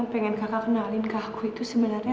gini kamu tuh kecil kecilnya gini aja